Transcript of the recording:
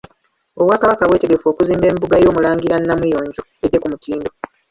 Obwakabaka bwetegefu okuzimba embuga y'Omulangira Namuyonjo edde ku mutindo.